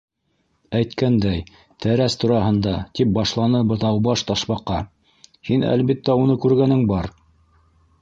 — Әйткәндәй, тәрәс тураһында, — тип башланы Быҙаубаш Ташбаҡа. —һин, әлбиттә, уны күргәнең бар?